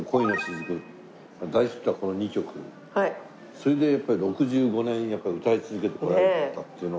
それで６５年やっぱり歌い続けてこられたっていうのは。